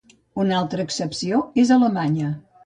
Una altra excepció és Alemanya.